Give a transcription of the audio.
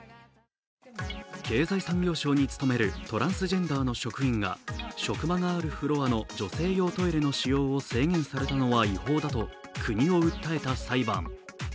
経済産業省に勤めるトランスジェンダーの職員が職場があるフロアの女性用トイレの使用を制限されたのは違法だと国を訴えた裁判。